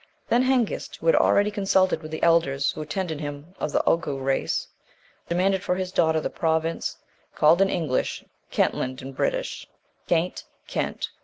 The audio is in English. Then Hengist, who had already consulted with the elders who attended him of the Oghgul(1) race, demanded for his daughter the province, called in English, Centland, in British, Ceint, (Kent.)